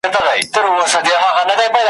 خدای مي مین کړی پر غونچه د ارغوان یمه `